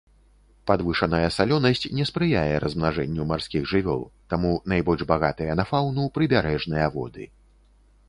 Падвышаная салёнасць не спрыяе размнажэнню марскіх жывёл, таму найбольш багатыя на фаўну прыбярэжныя воды.